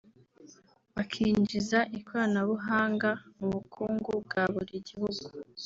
bakinjiza ikoranabuhanga mu bukungu bwa buri gihugu